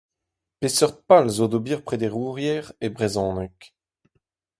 Peseurt pal zo d'ober prederouriezh e brezhoneg ?